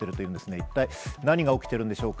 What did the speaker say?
一体、何が起きているんでしょうか。